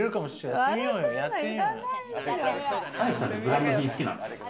アレクさん、ブランド品好きなんですか？